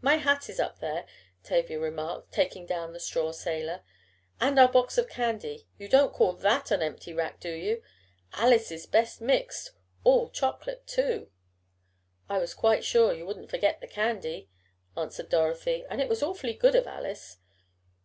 "My hat is up there," Tavia remarked, taking down the straw sailor. "And our box of candy you don't call that an empty rack, do you? Alice's best mixed all chocolate too." "I was quite sure you wouldn't forget the candy," answered Dorothy. "And it was awfully good of Alice."